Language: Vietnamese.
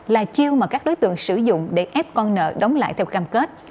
là chiêu mà các đối tượng sử dụng để ép con nợ đóng lại theo cam kết